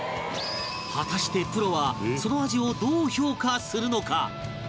果たしてプロはその味をどう評価するのか？